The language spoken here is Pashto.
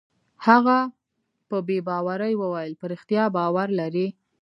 هغه په بې باورۍ وویل: په رښتیا باور لرې؟